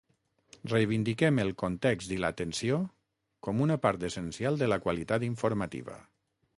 Reivindiquem el context i l’atenció com una part essencial de la qualitat informativa.